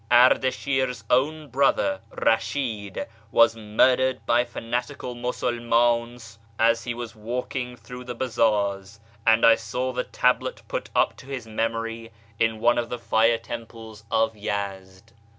Ardashir's own irother Eashid was murdered by fanatical Musulmans as he .vas walking through the bazaars, and I saw the tablet put up 0 his memory in one of the fire temples of Yezd.